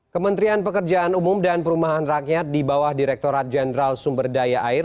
kementerian pekerjaan umum dan perumahan rakyat di bawah direkturat jenderal sumber daya air